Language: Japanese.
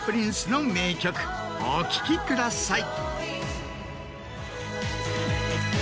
お聴きください。